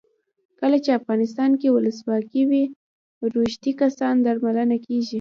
کله چې افغانستان کې ولسواکي وي روږدي کسان درملنه کیږي.